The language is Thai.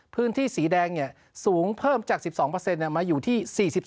พื้นที่สีแดงสูงเพิ่มจาก๑๒มาอยู่ที่๔๒